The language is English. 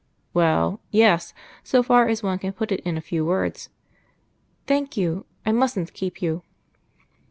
"Well, yes; so far as one can put it in a few words." "Thank you.... I mustn't keep you."